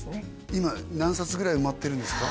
今何冊ぐらい埋まってるんですか？